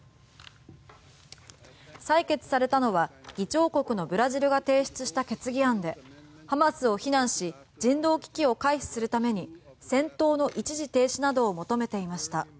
採決されたのは議長国のブラジルが提出した決議案で、ハマスを非難し人道危機を回避するために戦闘の一時停止などを求めていました。